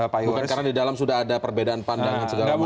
bukan karena di dalam sudah ada perbedaan pandangan segala macam